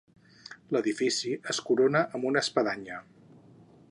L'edifici es corona amb una espadanya.